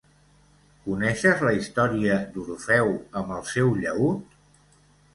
Coneixes la història d'Orfeu amb el seu llaüt?